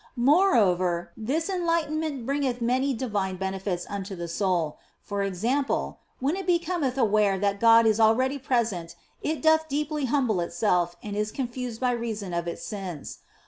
Moreover, this enlightenment bringeth many divine benefits unto the soul ; for example, when it becometh aware that God is already present it doth deeply humble itself and is confused by reason of its sins.